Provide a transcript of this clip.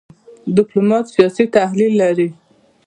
ډيپلومات سیاسي تحلیل لري .